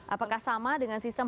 apakah sama dengan sistem